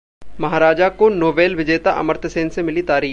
'महाराजा' को नोबेल विजेता अमर्त्य सेन से मिली तारीफ